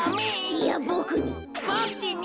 いやボクに。